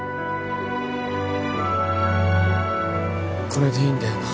これでいいんだよな